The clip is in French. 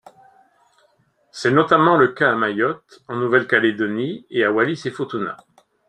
C'est notamment le cas à Mayotte, en Nouvelle-Calédonie et à Wallis et Futuna.